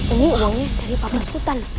ini uangnya dari pak mas kutan